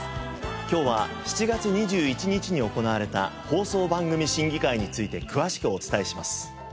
今日は７月２１日に行われた放送番組審議会について詳しくお伝えします。